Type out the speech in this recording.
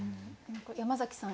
山崎さん